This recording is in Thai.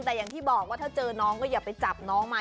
แต่อย่างที่บอกว่าถ้าเจอน้องก็อย่าไปจับน้องมา